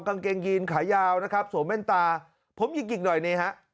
กางเกงยีนขายาวนะครับสวมแว่นตาผมหยิกหิกหน่อยนี่ฮะ